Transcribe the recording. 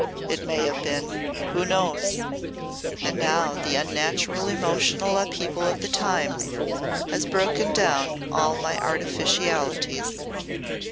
"It may have been. Who knows? And now the unnatural emotional upheaval of the times has broken down all my artificialities.